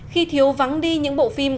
khi thiếu vắng đi những bộ phim